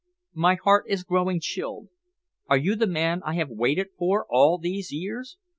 My heart is growing chilled. Are you the man I have waited for all these years?